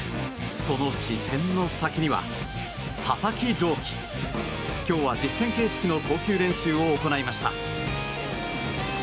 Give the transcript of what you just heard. その視線の先には、佐々木朗希。今日は実戦形式の投球練習を行いました。